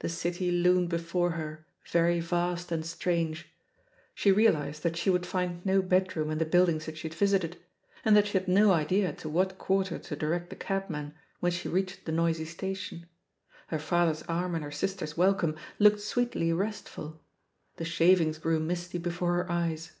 The city loomed before her very vast and strange. She realised i76 THE POSITION OF PEGGY HARPER that she would find no bedroom in the bmldlngs that she had visited, and that she had no idea to s^hat quarter to direct the cabman when she reached the noisy station. Her father's arm and her sisters' welcome looked sweetly restful; the shavings grew misty before her eyes.